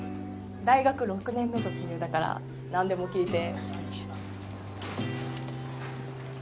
大学６年目突入だからなんでも聞いて。